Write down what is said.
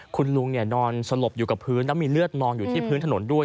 คุณลุงนอนสลบอยู่กับพื้นแล้วมีเลือดมองอยู่ที่พื้นถนนด้วย